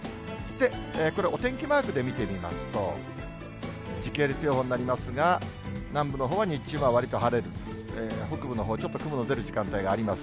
これ、お天気マークで見てみますと、時系列予報になりますが、南部のほうは日中、わりと晴れる、北部のほう、ちょっと雲の出る時間帯あります。